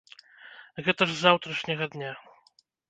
Гэта ж з заўтрашняга дня!